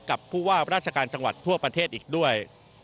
กับผู้ว่าราชการจังหวัดทั่วประเทศอีกด้วย